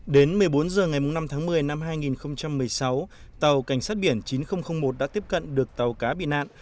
đến một mươi bốn h ngày năm tháng một mươi năm hai nghìn một mươi sáu tàu cảnh sát biển chín nghìn một đã tiếp cận được tàu cá bị nạn